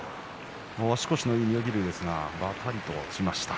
足腰のいい妙義龍ですがばたりと落ちました。